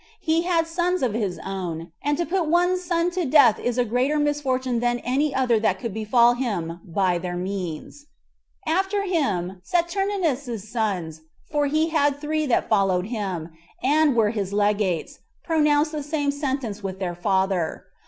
He had sons of his own, and to put one's son to death is a greater misfortune than any other that could befall him by their means. After him Saturninus's sons, for he had three sons that followed him, and were his legates, pronounced the same sentence with their father.